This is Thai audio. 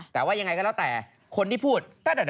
แต่ว่ายังไงก็แล้วแต่คนที่พูด